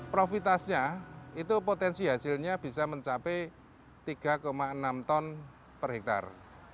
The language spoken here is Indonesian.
profitasnya itu potensi hasilnya bisa mencapai tiga enam ton per hektare